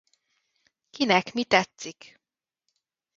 Kinek mi tetszik.